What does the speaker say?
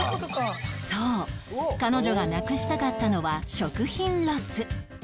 そう彼女がなくしたかったのは食品ロス